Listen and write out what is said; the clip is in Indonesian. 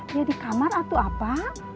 dia di kamar atau apa